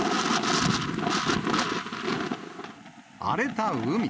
荒れた海。